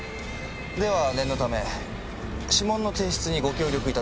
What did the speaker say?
では念のため指紋の提出にご協力頂けますか？